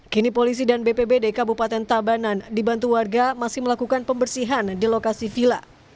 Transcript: kini polisi dan bpbd kabupaten tabanan dibantu warga masih melakukan pembersihan di lokasi villa